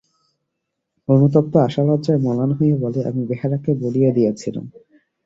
অনুতপ্ত আশা লজ্জায় মলান হইয়া বলে, আমি বেহারাকে বলিয়া দিয়াছিলাম।